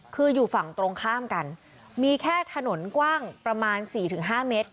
คืออยู่ฝั่งตรงข้ามกันมีแค่ถนนกว้างประมาณ๔๕เมตร